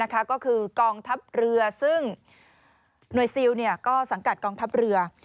ก็คือกองทัพเรือซึ่งหน่วยซิลก็สังกัดกองทัพเรือ